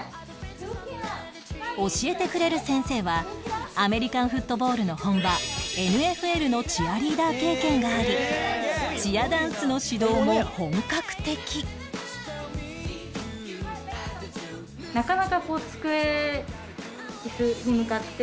教えてくれる先生はアメリカンフットボールの本場 ＮＦＬ のチアリーダー経験がありチアダンスの指導も本格的なので。